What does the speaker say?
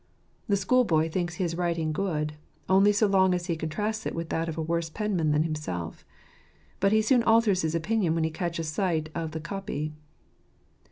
The schoolboy thinks his writing good, only so long as he contrasts it with that of a worse penman than himself ; but he soon alters his opinion when he catches sight of the copy.